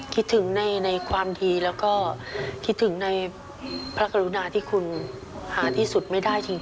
คิดถึงในความดีแล้วก็คิดถึงในพระกรุณาที่คุณหาที่สุดไม่ได้จริง